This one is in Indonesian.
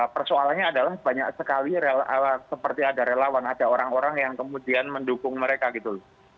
persoalannya adalah banyak sekali seperti ada relawan ada orang orang yang kemudian mendukung mereka gitu loh